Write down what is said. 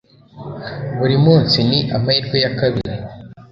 Buri munsi ni amahirwe ya kabiri.